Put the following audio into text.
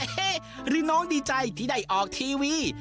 หรือน้องดีใจที่ได้ออกทีวี